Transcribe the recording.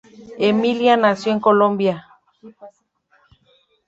Emilia nació en Colonia.